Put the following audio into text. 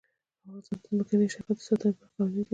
افغانستان د ځمکنی شکل د ساتنې لپاره قوانین لري.